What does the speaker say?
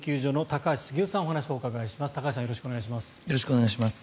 高橋さんよろしくお願いします。